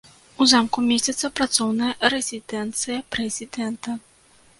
У замку месціцца працоўная рэзідэнцыя прэзідэнта.